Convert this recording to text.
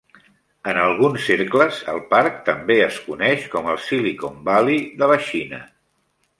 En alguns cercles, el parc també es coneix com el Silicon Valley de la Xina.